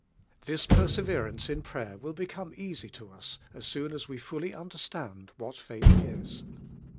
This perseverance in prayer will be come easy to us as soon as we fully under stand what faitli is.